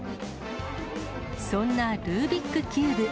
そんなルービックキューブ。